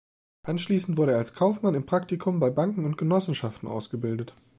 Anschließend wurde er als Kaufmann im Praktikum bei Banken und Genossenschaften ausgebildet.